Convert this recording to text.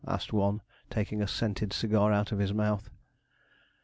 asked one, taking a scented cigar out of his mouth.